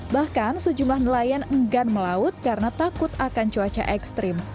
bahkan sejumlah nelayan enggan melaut karena takut akan cuaca ekstrim